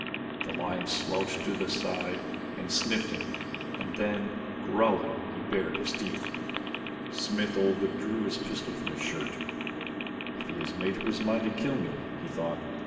The lion slouched to his side and sniffed him and then, growling, he bared his teeth. Smith Oldwick drew the pistol from his shirt. "If he has made up his mind to kill me," he thought.